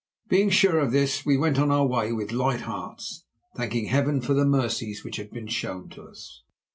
Being sure of this, we went on our way with light hearts, thanking Heaven for the mercies which had been shown to us.